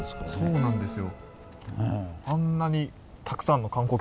そうなんですよ。